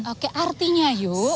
oke artinya yuk